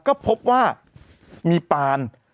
ก็พบว่ามีปาน